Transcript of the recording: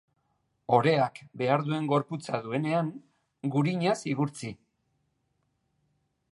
Oreak behar duen gorputza duenean, gurinaz igurtzi.